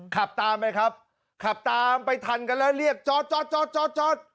ขับตามไปครับขับตามไปทันกันแล้วเรียกจอดจอดจอดจอด